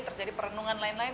terjadi perenungan lain lain